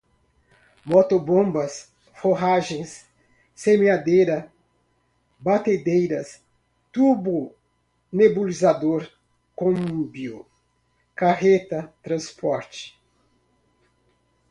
motobombas, forragens, semeadeira, batedeiras, turbonebulizador, combio, carreta, transporte